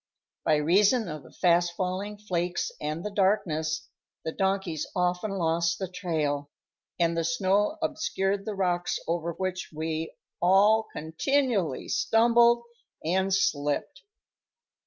By reason of the fast falling flakes and the darkness, the donkeys often lost the trail, and the snow obscured the rocks over which we all continually stumbled and slipped.